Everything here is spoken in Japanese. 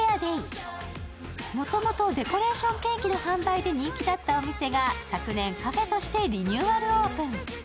もともとデコレーションケーキの販売で人気だったお店が昨年、カフェとしてリニューアルオープン。